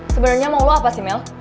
sebenarnya mau lo apa sih mel